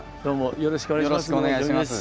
よろしくお願いします。